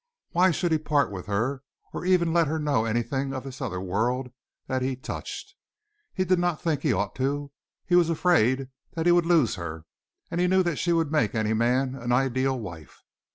Why should he part with her, or ever let her know anything of this other world that he touched? He did not think he ought to. He was afraid that he would lose her, and he knew that she would make any man an ideal wife.